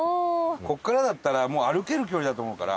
ここからだったらもう歩ける距離だと思うから。